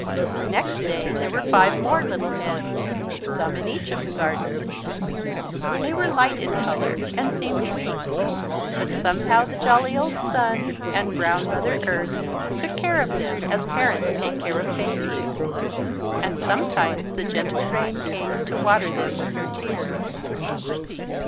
Next day there were five more little heads, some in each of the gardens. They were light in colour and seemed weak but somehow the jolly old Sun and brown Mother Earth took care of them as parents take care of babies. And sometimes the gentle Rain came to water them with her tears.